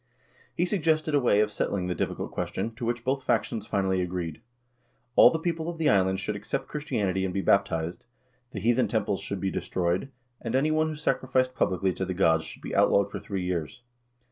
He suggested a way of settling the difficult ques tion, to which both factions finally agreed. All the people of the island should accept Christianity and be baptized, the heathen temples should be destroyed, and any one who sacrificed publicly to the gods should be outlawed for three years.